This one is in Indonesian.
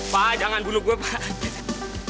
pak jangan bunuh gue pak